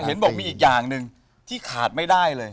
เห็นบอกมีอีกอย่างหนึ่งที่ขาดไม่ได้เลย